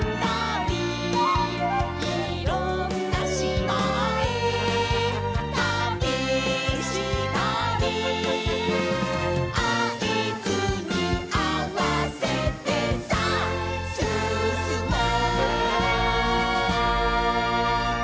「いろんなしまへたびしたり」「あいずにあわせて、さあ、すすもう」